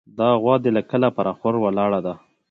دا غوا دې له کله پر اخور ولاړه ده.